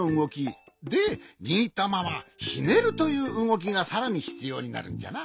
でにぎったままひねるといううごきがさらにひつようになるんじゃな。